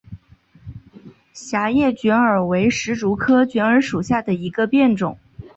狭叶卷耳为石竹科卷耳属下的一个变种。